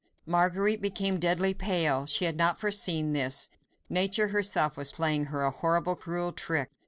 Marguerite became deadly pale. She had not foreseen this. Nature herself was playing her a horrible, cruel trick.